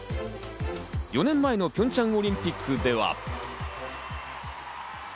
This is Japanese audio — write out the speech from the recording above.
４年前のピョンチャンオリンピックでは。